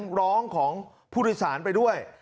ร้องของผู้โดยสารไปด้วย